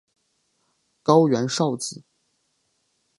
高原苕子